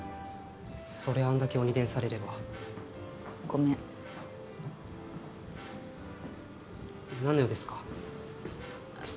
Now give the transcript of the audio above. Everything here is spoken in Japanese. そりゃあんだけ鬼電されればごめん何の用ですか？